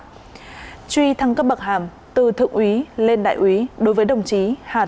truy thăng cấp bậc hàm từ thượng úy lên đại úy đối với đồng chí hà tuấn anh